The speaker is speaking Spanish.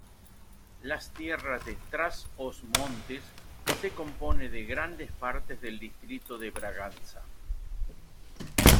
Las Tierras de Trás-os-Montes se compone de grandes partes del distrito de Braganza.